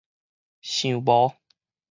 想無